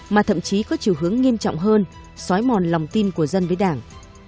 mà thậm chí có chiều hướng nghiêm trọng hơn xói mòn lòng tin của dân với đảng